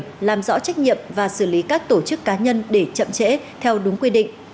phạm minh chủ tự do trách nhiệm và xử lý các tổ chức cá nhân để chậm trễ theo đúng quy định